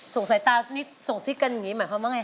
สายตานิดส่งซิกกันอย่างนี้หมายความว่าไง